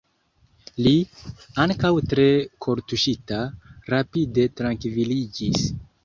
Li, ankaŭ tre kortuŝita, rapide trankviliĝis.